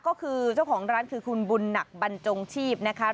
ก็คือเจ้าของร้านคือคุณบุญหนักบรรจงชีพนะคะ